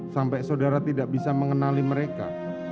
sampai saudara tidak bisa mengenali mereka